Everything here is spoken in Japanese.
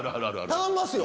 頼みますよ。